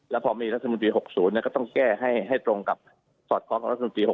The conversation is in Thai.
แล้วพอมีรัฐมนตรี๖๐ก็ต้องแก้ให้ตรงกับสอดคล้องกับรัฐมนตรี๖๐